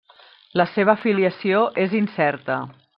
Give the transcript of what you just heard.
La seva filiació és incerta.